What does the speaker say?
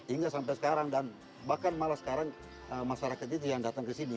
hingga sampai sekarang dan bahkan malah sekarang masyarakat itu yang datang ke sini